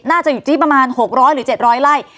น่าจะอยู่ที่ประมาณ๖๐๐หรือ๗๐๐ไร่